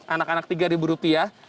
anak anak tiga ribu rupiah